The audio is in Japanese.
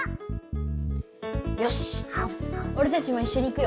よしおれたちもいっしょに行くよ。